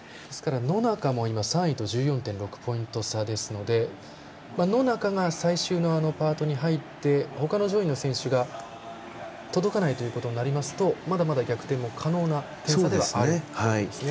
野中も３位と１４．６ポイント差ですので野中が最終のパートに入って他の上位の選手が届かないということになりますとまだまだ逆転が可能ですね。